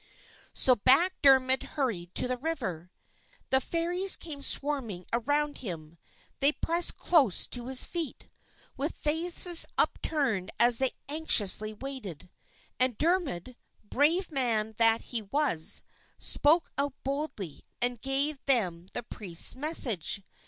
So back Dermod hurried to the river. The Fairies came swarming around him. They pressed close to his feet, with faces upturned as they anxiously waited. And Dermod, brave man that he was, spoke out boldly and gave them the Priest's message.